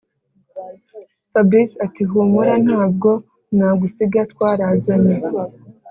fabric ati”humura ntabwo nagusiga twarazanye”